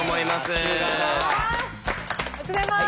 ありがとうございます。